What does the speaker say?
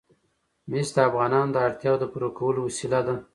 مس د افغانانو د اړتیاوو د پوره کولو وسیله ده.